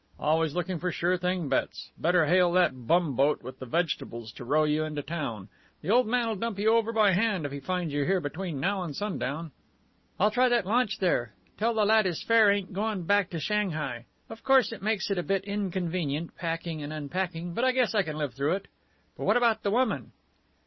"Always looking for sure thing bets! Better hail that bumboat with the vegetables to row you into town. The old man'll dump you over by hand if he finds you here between now and sundown." "I'll try the launch there. Tell the lad his fare ain't goin' back to Shanghai. Of course it makes it a bit inconvenient, packing and unpacking; but I guess I can live through it. But what about the woman?"